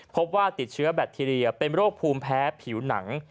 พบว่าติดเชื้อแบคทีเรียเป็นโรคภูมิแพ้ผิวหนัง